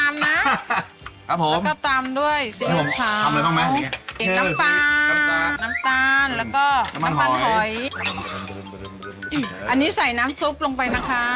พริกกระเทียมลงไป